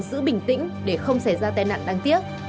giữ bình tĩnh để không xảy ra tai nạn đáng tiếc